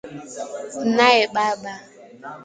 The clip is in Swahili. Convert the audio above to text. SINAYE BABA